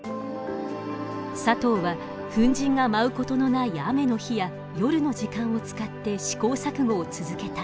佐藤は粉塵が舞うことのない雨の日や夜の時間を使って試行錯誤を続けた。